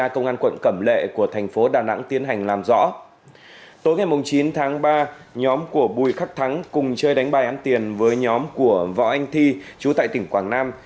tối ngày chín tháng ba nhóm của bùi khắc thắng cùng chơi đánh bài ăn tiền với nhóm của võ anh thi chú tại tỉnh quảng nam